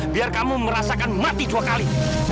biar kamu merasakan mati dua kali